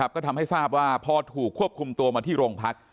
แล้วที่นี้ทำให้ทราบว่าพอถูกครับคุมตัวมาที่โรงพัก